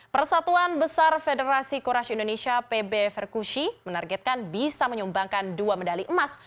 persatuan besar federasi courage indonesia pb verkushi menargetkan bisa menyumbangkan dua medali emas